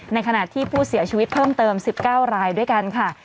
ในขณะที่ผู้เสียชีวิตเพิ่มเติม๑๙รายด้วยกันค่ะ